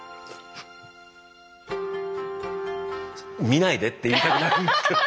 見ないでって言いたくなるんですけど。